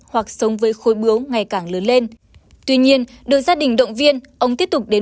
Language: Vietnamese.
hoặc sống với khối bưu ngày càng lớn lên tuy nhiên được gia đình động viên ông tiếp tục đến